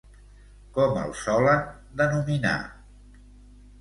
Com el solen denominar?